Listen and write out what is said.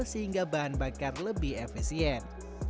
sehingga bahan bakar lebih efisien